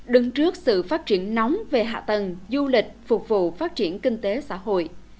đứng trước sự phát triển nóng về hạ tầng du lịch phục vụ phát triển kinh tế xã hội